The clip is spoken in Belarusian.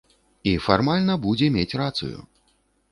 І фармальна будзе мець рацыю.